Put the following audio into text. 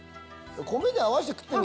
米で合わして食ってみ？